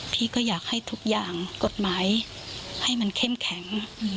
พี่ก็อยากให้ทุกอย่างกฎหมายให้มันเข้มแข็ง